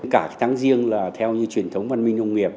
cả tháng riêng là theo như truyền thống văn minh nông nghiệp